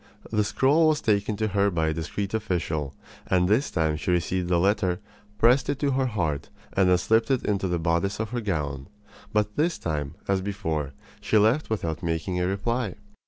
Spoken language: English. The scrawl was taken to her by a discreet official, and this time she received the letter, pressed it to her heart, and then slipped it into the bodice of her gown. But this time, as before, she left without making a reply.